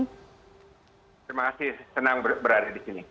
terima kasih senang berada di sini